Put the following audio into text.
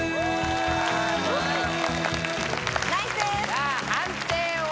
さあ判定は？